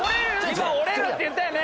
今折れるって言ったよね？